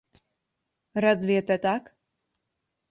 Разве это так?